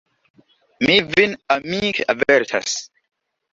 Mi vin amike avertas.